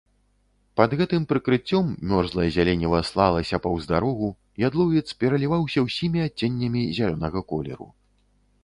Пад гэтым прыкрыццём мёрзлае зяленіва слалася паўз дарогу, ядловец пераліваўся ўсімі адценнямі зялёнага колеру.